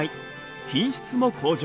品質も向上。